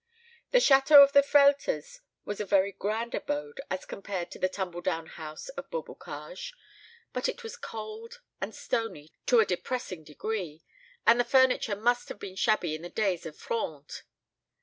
The château of the Frehlters was a very grand abode as compared to the tumble down house of Beaubocage; but it was cold and stony to a depressing degree, and the furniture must have been shabby in the days of the Fronde.